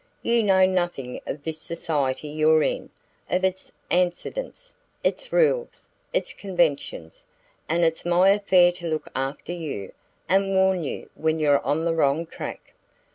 You know nothing of this society you're in; of its antecedents, its rules, its conventions; and it's my affair to look after you, and warn you when you're on the wrong track."